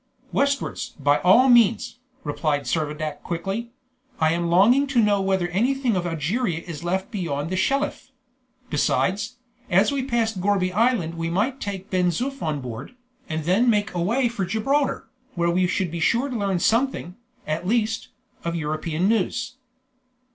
"Westwards, by all means," replied Servadac quickly. "I am longing to know whether anything of Algeria is left beyond the Shelif; besides, as we pass Gourbi Island we might take Ben Zoof on board, and then make away for Gibraltar, where we should be sure to learn something, at least, of European news."